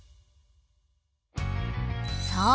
そう。